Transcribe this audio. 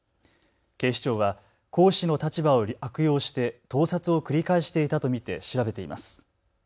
警視庁は講師の立場を悪用して盗撮を繰り返していたと見て調べています。